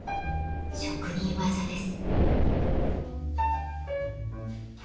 職人技です。